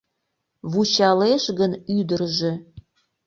Вучалеш гын ӱдыржӧ